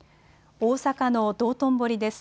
大阪の道頓堀です。